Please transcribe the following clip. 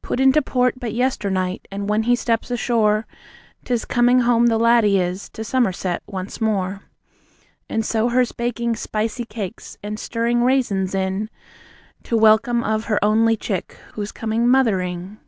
Put into port but yesternight, and when he steps ashore, 'Tis coming home the laddie is, to Somer set once more. And so her's baking spicy cakes, and stir ring raisins in, To welcome of her only chick, who's coming Mothering.